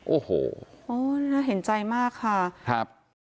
โอ้โหน่าเห็นใจมากค่ะครับ